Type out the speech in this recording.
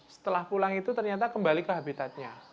setelah pulang itu ternyata kembali ke habitatnya